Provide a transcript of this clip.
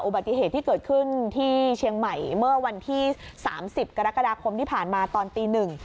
ปฏิเหตุที่เกิดขึ้นที่เชียงใหม่เมื่อวันที่๓๐กรกฎาคมที่ผ่านมาตอนตีหนึ่ง